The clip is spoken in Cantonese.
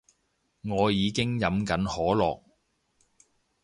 我已經飲緊可樂